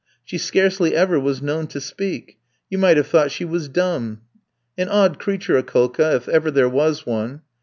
She scarcely ever was known to speak; you might have thought she was dumb; an odd creature, Akoulka, if ever there was one.